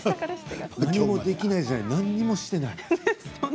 何もできないんじゃなくて何もしていない。